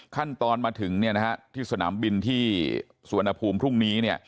ขั้นตอนมาถึงที่สนามบินที่สุวรรณภูมิพรุ่งนี้